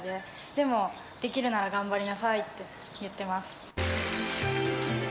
でも、できるなら頑張りなさいって言ってます。